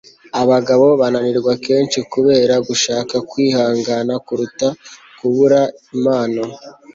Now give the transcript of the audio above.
abagabo bananirwa kenshi kubera gushaka kwihangana kuruta kubura impano